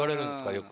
よく。